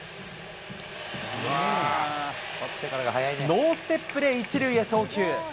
ノーステップで１塁へ送球。